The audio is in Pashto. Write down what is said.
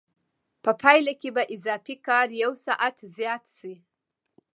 په پایله کې به اضافي کار یو ساعت زیات شي